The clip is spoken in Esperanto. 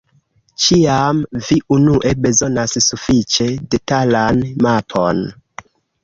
Ĉiam vi unue bezonas sufiĉe detalan mapon.